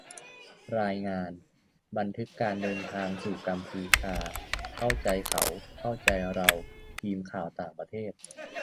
รายงาน : บันทึกการเดินทางสู่กัมพูชา เข้าใจเขา-เข้าใจเรา : ทีมข่าวต่างประเทศ